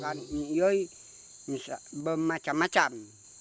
makan ini bisa bermacam macam